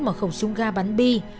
một khẩu súng ga bắn bi